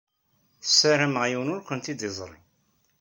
Sarameɣ yiwen ur kent-id-iẓṛi.